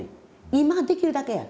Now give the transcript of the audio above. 今できるだけや。